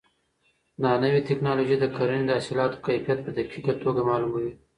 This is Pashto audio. دا نوې ټیکنالوژي د کرنې د حاصلاتو کیفیت په دقیقه توګه معلوموي.